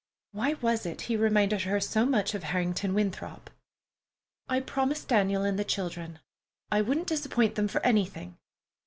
(Why was it he reminded her so much of Harrington Winthrop?) "I promised Daniel and the children. I wouldn't disappoint them for anything.